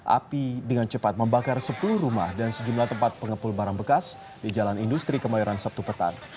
api dengan cepat membakar sepuluh rumah dan sejumlah tempat pengepul barang bekas di jalan industri kemayoran sabtu petang